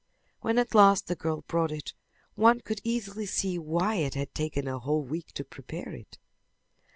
When at last the girl brought it one could easily see why it had taken a whole week to prepare it.